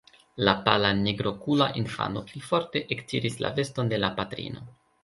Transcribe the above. La pala nigrokula infano pli forte ektiris la veston de la patrino.